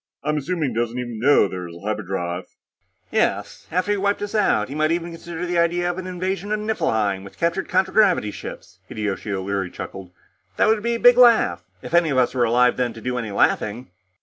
I'm assuming he doesn't even know there is a hyperdrive." "Yes. After he'd wiped us out, he might even consider the idea of an invasion of Niflheim with captured contragravity ships," Hideyoshi O'Leary chuckled. "That would be a big laugh if any of us were alive, then, to do any laughing."